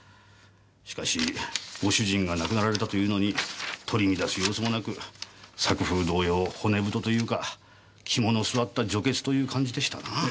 しかしご主人が亡くなられたというのに取り乱す様子もなく作風同様骨太というか肝の据わった女傑という感じでしたなぁ。